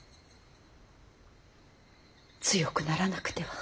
強くならなくては。